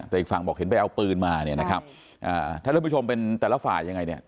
แต่อีกฝั่งบอกเห็นไปเอาปืนมาเนี่ยนะครับอ่าถ้าท่านผู้ชมเป็นแต่ละฝ่ายยังไงเนี่ย